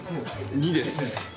２です。